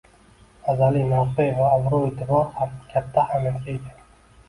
Azaliy mavqe va obro‘-e’tibor ham katta ahamiyatga ega.